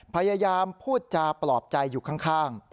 พยายามพูดจาปลอบใจอยู่ข้าง